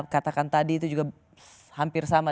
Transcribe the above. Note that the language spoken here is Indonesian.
katakan tadi itu juga hampir sama